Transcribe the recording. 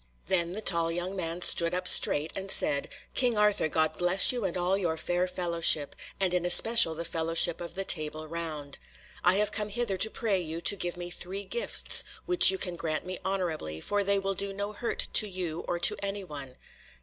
Then the tall young man stood up straight, and said: "King Arthur, God bless you and all your fair fellowship, and in especial the fellowship of the Table Round. I have come hither to pray you to give me three gifts, which you can grant me honourably, for they will do no hurt to you or to any one."